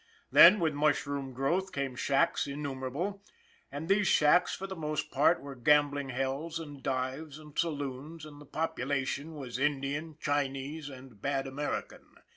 Then, with mushroom growth, came shacks innumerable; and these shacks, for the most part, were gambling hells and dives and saloons, and the population was Indian, Chinese and bad American.